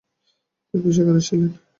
তিনি সেখানে ছিলেন।